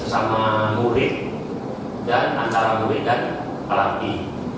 sama murid dan antara murid dan pelatih